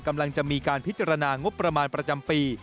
กำลังจะมีการพิจารณางบประมาณประจำปี